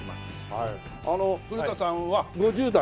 古田さんは５０代。